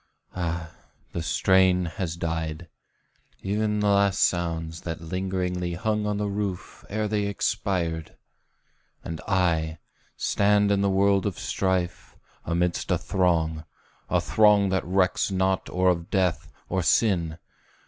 Ah, the strain Has died ev'n the last sounds that lingeringly Hung on the roof ere they expired! And I, Stand in the world of strife, amidst a throng, A throng that recks not or of death, or sin!